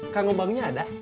kang obangnya ada